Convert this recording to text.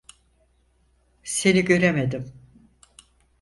Seni göremedim.